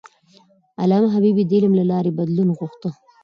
علامه حبيبي د علم له لارې بدلون غوښت.